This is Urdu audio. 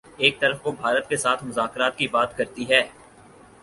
ایک طرف وہ بھارت کے ساتھ مذاکرات کی بات کرتی ہے۔